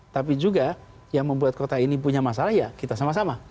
tapi juga yang membuat kota ini punya masalah ya kita sama sama